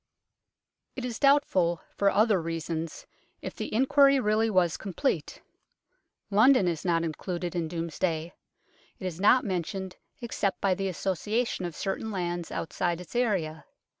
It is doubtful, for other reasons, if the inquiry really was complete. London is not included in Domesday ; it is not mentioned except by the association of certain lands outside its area.